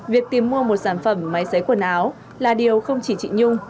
việc tìm mua một sản phẩm máy giấy quần áo là điều không chỉ chị nhung